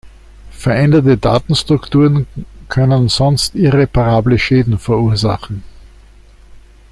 Veränderte Datenstrukturen können sonst irreparable Schäden verursachen.